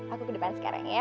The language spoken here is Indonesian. aku ke depan sekarang ya